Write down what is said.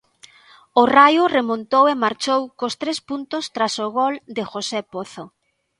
O Raio remontou e marchou cos tres puntos tras o gol de José Pozo.